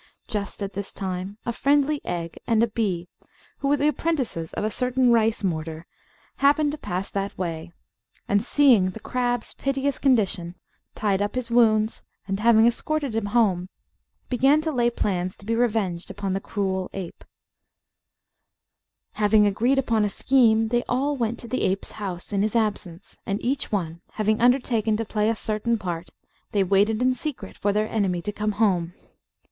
Just at this time a friendly egg and a bee, who were the apprentices of a certain rice mortar, happened to pass that way, and, seeing the crab's piteous condition, tied up his wounds, and, having escorted him home, began to lay plans to be revenged upon the cruel ape. [Illustration: THE APE AND THE CRAB.] Having agreed upon a scheme, they all went to the ape's house, in his absence; and each one having undertaken to play a certain part, they waited in secret for their enemy to come home.